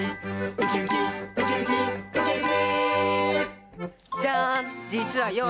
「ウキウキウキウキウキウキ」